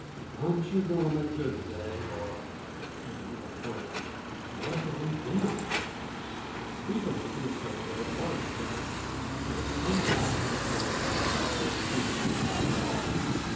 "I'm sure going to make good to day or " And a little farther "What if it ain't them?" Speedily he discovered that it was "them," and at the same time he discovered something else which pleased him not at all.